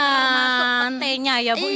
masuk petenya ya bu ya